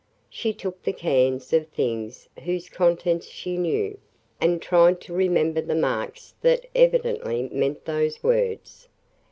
She took the cans of things whose contents she knew, and tried to remember the marks that evidently meant those words.